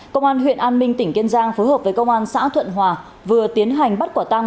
công an huyện an minh tỉnh kiên giang phối hợp với công an xã thuận hòa vừa tiến hành bắt quả tăng